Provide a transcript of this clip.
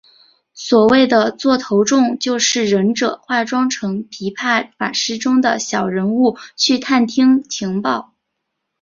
所谓的座头众就是忍者化妆成琵琶法师中的小人物去探听情报。